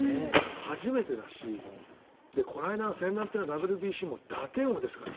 初めてだしこの間の、先だってのＷＢＣも打点王ですからね。